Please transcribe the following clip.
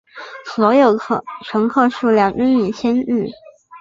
所有乘客数量均以千计。